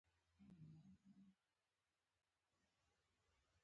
ویده ماشوم ته شپه ارامه وي